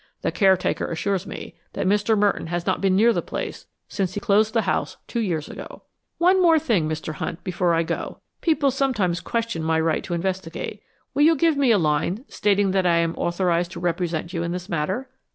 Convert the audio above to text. The caretaker assures me that Mr. Merton has not been near the place since he closed the house two years ago." "One thing more, Mr. Hunt, before I go. People sometimes question my right to investigate. Will you give me a line stating that I am authorized to represent you in this matter?"